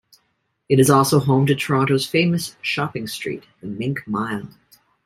It is also home to Toronto's famous shopping street, the Mink Mile.